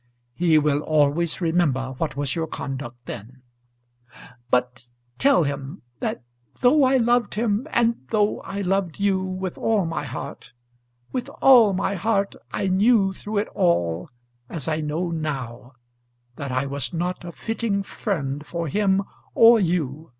"He will always remember what was your conduct then." "But tell him, that though I loved him, and though I loved you with all my heart, with all my heart, I knew through it all, as I know now, that I was not a fitting friend for him or you.